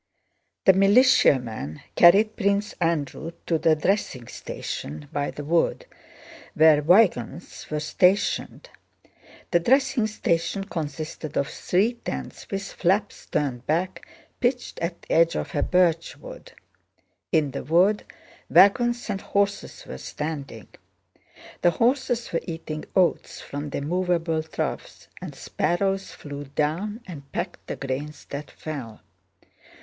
The militiamen carried Prince Andrew to the dressing station by the wood, where wagons were stationed. The dressing station consisted of three tents with flaps turned back, pitched at the edge of a birch wood. In the wood, wagons and horses were standing. The horses were eating oats from their movable troughs and sparrows flew down and pecked the grains that fell.